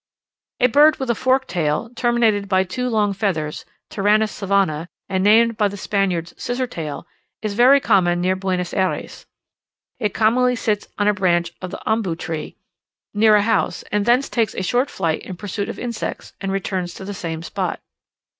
A bird with a forked tail, terminated by two long feathers (Tyrannus savana), and named by the Spaniards scissor tail, is very common near Buenos Ayres: it commonly sits on a branch of the ombu tree, near a house, and thence takes a short flight in pursuit of insects, and returns to the same spot.